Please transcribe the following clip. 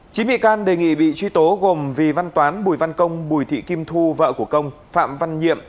chín bị can đề nghị bị truy tố gồm vì văn toán bùi văn công bùi thị kim thu vợ của công phạm văn nhiệm